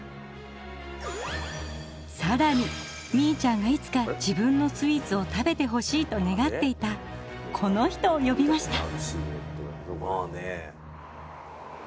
さらにみいちゃんがいつか自分のスイーツを食べてほしいと願っていたこの人を呼びました。